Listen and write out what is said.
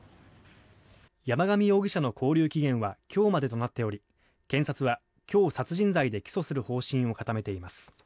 山上容疑者の勾留期限は今日までとなっており検察は今日、殺人罪で起訴する方針を固めています。